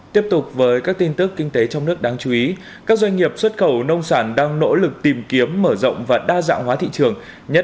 tiếp tục với các tin tức kinh tế trong nước đáng chú ý các doanh nghiệp xuất cầu nông sản đang nỗ lực tìm kiếm mở rộng